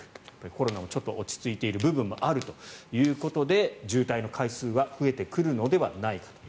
コロナも落ち着いている部分もあるということで渋滞の回数は増えてくるのではないかと。